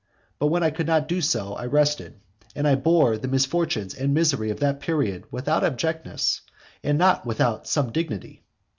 But when I could not be so, I rested; and I bore the misfortunes and misery of that period without abjectness, and not without some dignity.